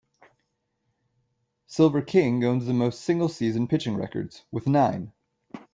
Silver King owns the most single-season pitching records with nine.